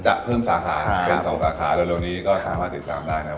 เพิ่มสาขาเป็นสองสาขาเร็วนี้ก็สามารถติดตามได้นะครับ